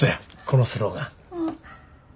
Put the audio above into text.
このスローガン。